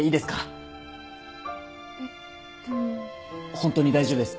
ホントに大丈夫です。